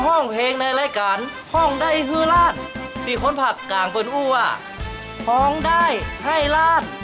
ห้องเพลงในรายการห้องได้ฮือร้านที่คนผักกล่างเป็นอู่ว่าพองได้ให้ร้าน